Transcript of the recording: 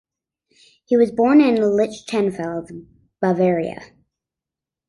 He was born in Lichtenfels, Bavaria.